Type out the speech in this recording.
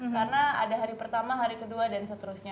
karena ada hari pertama hari kedua dan seterusnya